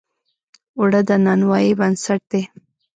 اوړه د نانوایۍ بنسټ دی